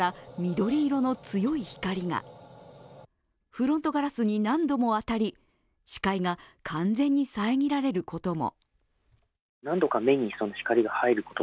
フロントガラスに何度も当たり視界が完全に遮られることも。